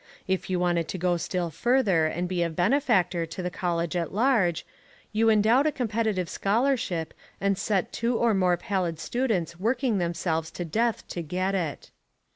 If you wanted to go still further and be a benefactor to the college at large, you endowed a competitive scholarship and set two or more pallid students working themselves to death to get it.